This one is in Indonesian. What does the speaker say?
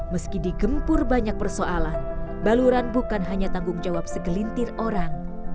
meski digempur banyak persoalan baluran bukan hanya tanggung jawab segelintir orang